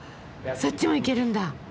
そっちも行けるんだ。